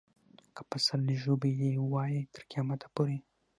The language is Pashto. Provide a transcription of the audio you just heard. که په سل ژبو یې وایې تر قیامته پورې.